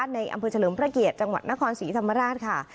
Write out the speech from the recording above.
ในอำเภอเฉลิมพระเกียรติจังหวัดนครศรีธรรมราชค่ะ